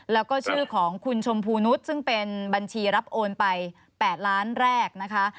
แล้วก็ชื่อของคุณชมพูนุษย์ซึ่งเป็นบัญชีรับโอนไป๘ล้านแรกนะคะ